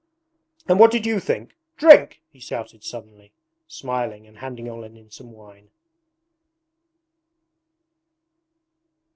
'And what did you think? Drink!' he shouted suddenly, smiling and handing Olenin some wine.